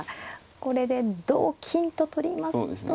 これで同金と取りますと。